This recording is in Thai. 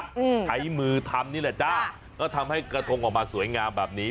อืมใช้มือทำนี่แหละจ้าก็ทำให้กระทงออกมาสวยงามแบบนี้